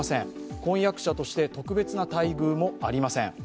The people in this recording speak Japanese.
婚約者として特別な待遇もありません。